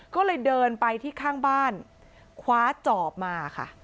ก็เลยเดินไปที่ข้างบ้านคว้าจอบมาค่ะ